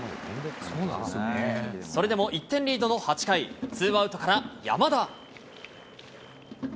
それでも１点リードの８回、ツーアウトから山田。